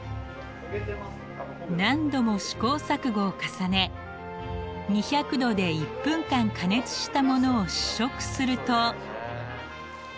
何度も試行錯誤を重ね２００℃で１分間加熱したものを試食すると。